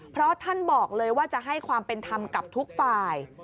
เพราะท่านบอกเลยว่าจะให้ความเป็นธรรมกับทุกฝ่าย